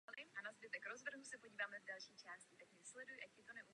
Skupina se rozpadla během nahrávání svého druhého alba.